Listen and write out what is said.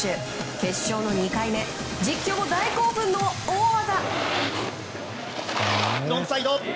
決勝の２回目実況も大興奮の大技。